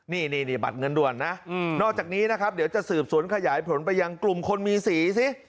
นี่บัตรเงินด่วนนะนอกจากนี้นะครับเดี๋ยวจะสืบสวนขยายผลไปยังกลุ่มคนมีสีสิ